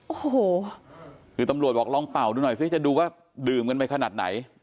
โอ้โหคือตำรวจบอกลองเป่าดูหน่อยซิจะดูว่าดื่มกันไปขนาดไหน